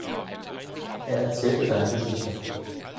Er erzählte seine Geschichte.